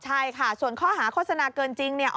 ใช่ค่ะส่วนข้อหาโฆษณาเกินจริงเนี่ย